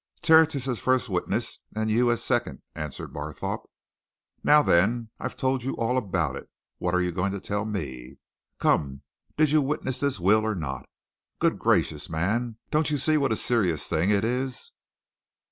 "Tertius as first witness, and you as second," answered Barthorpe. "Now then, I've told you all about it. What are you going to tell me? Come did you witness this will or not? Good gracious, man! don't you see what a serious thing it is?"